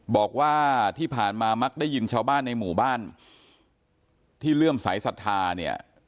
บอกว่าที่ผ่านมามักได้ยินชาวบ้านในหมู่บ้านที่เลื่อมสายศรัทธาเนี่ย